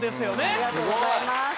ありがとうございます。